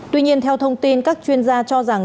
tuy nhiên theo thông tin các chuyên gia cho rằng